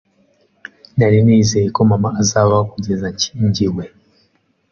Nari nizeye ko mama azabaho kugeza nshyingiwe.